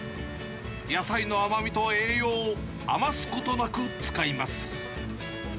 野菜の甘みと栄養を余すことなく使います。